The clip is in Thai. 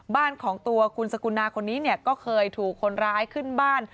บ้านของตัวคุณสกุณาคนนี้เนี่ยก็เคยถูกคนร้ายขึ้นบ้าน